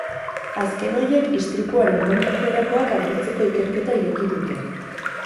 Azken horiek istripuaren nondik norakoak argitzeko ikerketa ireki dute.